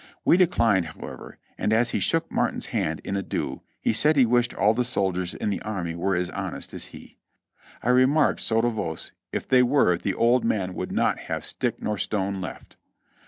We declined, however, and as he shook Martin's hand in adieu he said he wished all the soldiers in the army were as honest as he. I re marked sotto voce, "If they were, the old man would not have stick nor stone left."